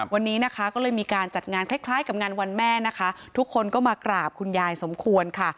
วันนี้นะคะก็เลยมีการจัดงานคล้ายคล้ายกับงานวันแม่นะคะทุกคนก็มากราบคุณยายสมควรค่ะ